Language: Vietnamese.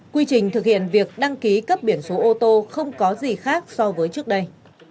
quy trình thực hiện việc đăng ký cấp biển số ô tô không có gì khác so với trước đây